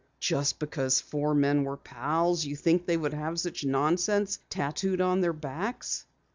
"Just because four men were pals, you think they would have such nonsense tattooed on their backs?"